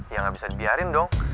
ya nggak bisa dibiarin dong